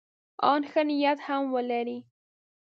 ان که ښه نیت هم ولري.